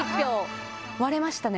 割れましたね